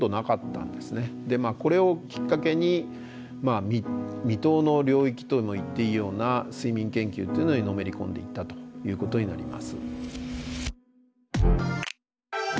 これをきっかけに未踏の領域とも言っていいような睡眠研究っていうのにのめり込んでいったということになります。